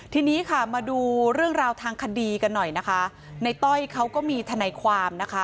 ทีนี้ค่ะมาดูเรื่องราวทางคดีกันหน่อยนะคะในต้อยเขาก็มีทนายความนะคะ